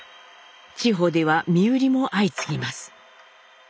地方では身売りも相次ぎます。